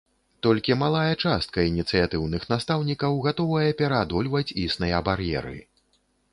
Толькі малая частка ініцыятыўных настаўнікаў гатовая пераадольваць існыя бар'еры.